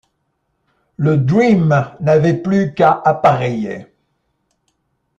Le Dream n’avait plus qu’à appareiller.